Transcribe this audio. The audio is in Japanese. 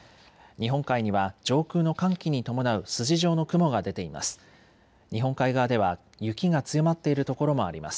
日本海には上空の寒気に伴う筋状の雲が出ています。